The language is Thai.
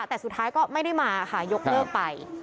แต่สุดท้ายก็ไม่ได้มาค่ะยกเลิกไป